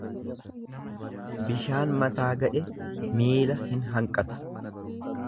Bishaan mataa ga'e miila hin hanqatu.